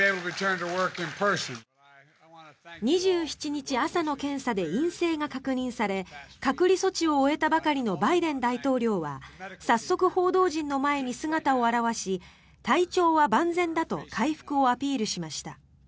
２７日朝の検査で陰性が確認され隔離措置を終えたばかりのバイデン大統領は早速、報道陣の前に姿を現し体調は万全だと回復をアピールしました。